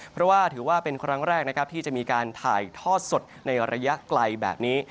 เพราะว่าถือว่าเป็นครั้งแรกนะครับที่จะมีการถ่ายทอดสดในระยะไกลแบบนี้